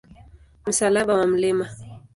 Msalaba wa Mt.